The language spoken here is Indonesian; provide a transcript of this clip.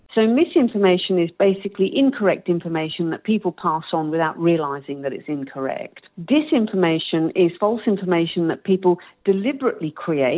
jadi disinformasi adalah informasi yang tidak benar yang diberikan oleh orang tanpa mengadakan bahwa itu tidak benar